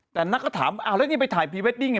แต่นักก็ถามอ้าวแล้วนี่ไปถ่ายพรีเวดดิ้งไง